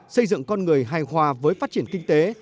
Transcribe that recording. xây dựng con người hài hòa với phát triển kinh tế